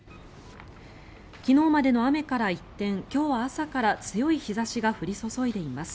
昨日までの雨から一転、今日は朝から強い日差しが降り注いでいます。